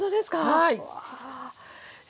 はい。